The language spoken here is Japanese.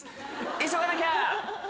急がなきゃ！